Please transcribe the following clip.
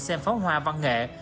xem phó hoa văn nghệ